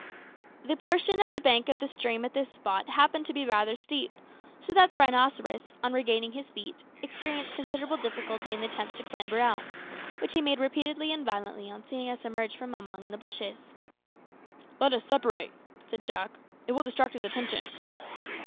The portion of the bank of the stream at this spot happened to be rather steep, so that the rhinoceros, on regaining his feet, experienced considerable difficulty in the attempts to clamber out, which he made repeatedly and violently on seeing us emerge from among the bushes. "Let us separate," said Jack; "it will distract his attention."